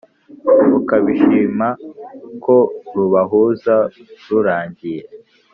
ukabishima ko rubahuza rurangiye